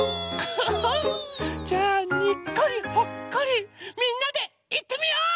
じゃあ「にっこりほっこり」みんなでいってみよう！